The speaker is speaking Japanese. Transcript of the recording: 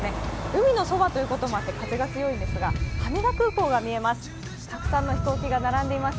海のそばということもあって風が強いんですが、羽田空港が見えます。